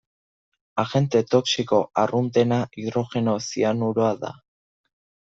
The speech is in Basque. Agente toxiko arruntena hidrogeno zianuroa da.